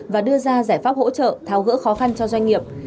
và đưa ra giải pháp hỗ trợ tháo gỡ khó khăn cho doanh nghiệp